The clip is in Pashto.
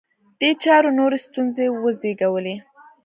دې چارې نورې ستونزې وزېږولې